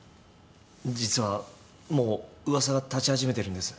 実はもう噂が立ち始めてるんです。